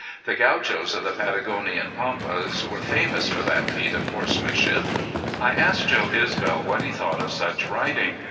The Gauchos of the Patagonian Pampas were famous for that feat of horsemanship. I asked Joe Isbel what he thought of such riding.